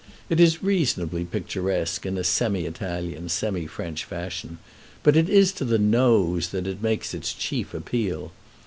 It is reasonably picturesque in a semi Italian, semi French fashion, but it is to the nose that it makes its chief appeal.